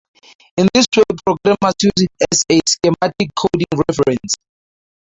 In this way programmers use it as a schematic coding reference.